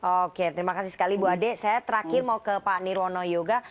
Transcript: oke terima kasih sekali bu ade saya terakhir mau ke pak nirwono yoga